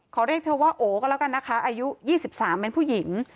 ขอเรียกเธอว่าโอก็แล้วกันนะคะอายุ๒๓เป็นผู้หญิง